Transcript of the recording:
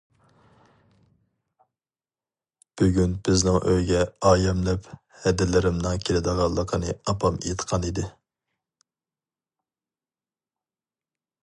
بۈگۈن بىزنىڭ ئۆيگە ئايەملەپ ھەدىلىرىمنىڭ كېلىدىغانلىقىنى ئاپام ئېيتقان ئىدى.